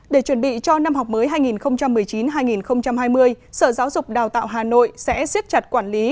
để chuẩn bị cho năm học mới hai nghìn một mươi chín hai nghìn hai mươi sở giáo dục đào tạo hà nội sẽ xiết chặt quản lý